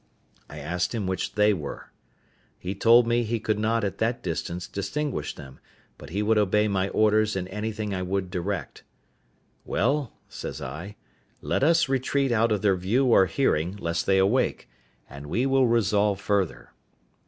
I asked him which they were. He told me he could not at that distance distinguish them, but he would obey my orders in anything I would direct. "Well," says I, "let us retreat out of their view or hearing, lest they awake, and we will resolve further."